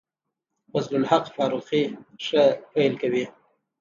فضل الحق فاروقي ښه پیل کوي.